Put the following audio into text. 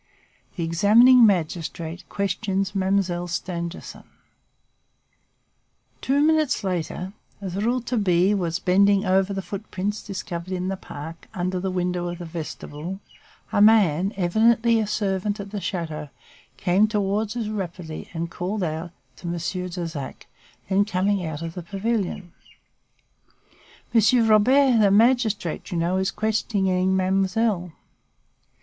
The Examining Magistrate Questions Mademoiselle Stangerson Two minutes later, as Rouletabille was bending over the footprints discovered in the park, under the window of the vestibule, a man, evidently a servant at the chateau, came towards us rapidly and called out to Monsieur Darzac then coming out of the pavilion: "Monsieur Robert, the magistrate, you know, is questioning Mademoiselle."